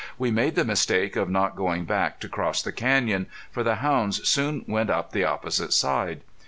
We made the mistake of not going back to cross the canyon, for the hounds soon went up the opposite side.